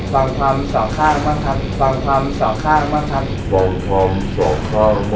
บางความสองข้างมั่งครับ